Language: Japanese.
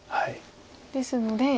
ですので。